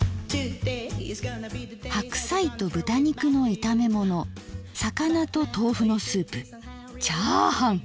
「白菜と豚肉のいためもの魚と豆腐のスープチャーハン」！